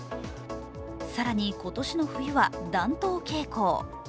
更に今年の冬は暖冬傾向。